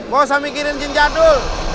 bisa mikirin jin jadul